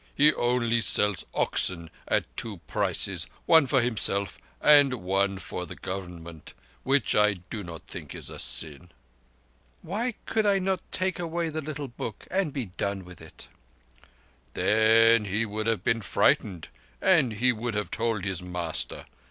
He only sells oxen at two prices—one for himself and one for the Government—which I do not think is a sin." "Why could not I take away the little book and be done with it?" "Then he would have been frightened, and he would have told his master.